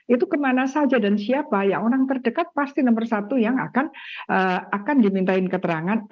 itu kemana saja dan siapa ya orang terdekat pasti nomor satu yang akan dimintain keterangan